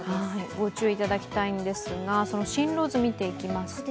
ご注意いただきたいんですが、その進路図を見ていきます。